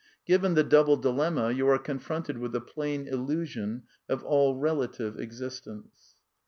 Given the double dilemma, you are confronted with the plain illusion of all relative existence.